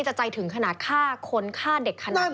จะใจถึงขนาดฆ่าคนฆ่าเด็กขนาดนี้